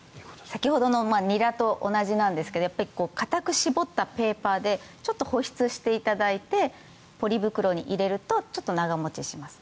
先ほどのニラと同じなんですが硬く絞ったペーパーでちょっと保湿していただいてポリ袋に入れるとちょっと長持ちします。